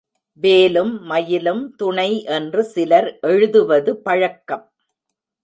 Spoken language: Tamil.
வேலும் மயிலும் துணை என்று சிலர் எழுதுவது பழக்கம்.